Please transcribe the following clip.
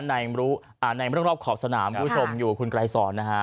ในสู่รอบขอบสนามผู้ชมอยู่กับคุณกลายศรนะฮะ